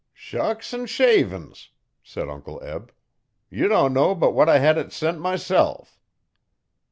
'Shucks and shavin's!' said Uncle Eb. 'Ye don't know but what I had it sent myself.'